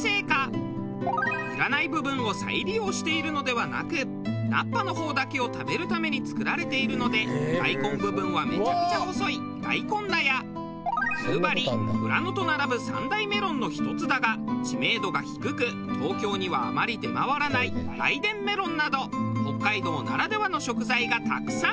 いらない部分を再利用しているのではなく菜っ葉の方だけを食べるために作られているので大根部分はめちゃくちゃ細い大根菜や夕張富良野と並ぶ３大メロンの一つだが知名度が低く東京にはあまり出回らないらいでんメロンなど北海道ならではの食材がたくさん。